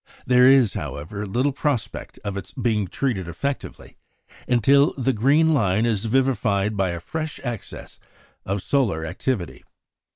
There is, however, little prospect of its being treated effectively until the green line is vivified by a fresh access of solar activity.